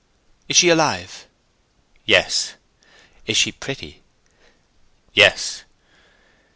"Is she alive?" "Yes." "Is she pretty?" "Yes."